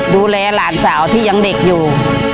ดูแลหลานสาวที่ยังเด็กอยู่